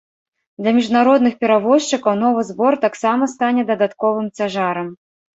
Для міжнародных перавозчыкаў новы збор таксама стане дадатковым цяжарам.